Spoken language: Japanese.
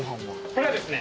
これはですね